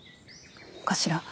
お頭